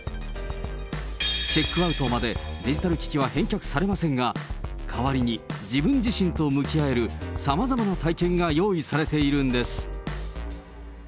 チェックアウトまで、デジタル機器は返却されませんが、代わりに、自分自身と向き合えるさまざまな体験が用意されているんです。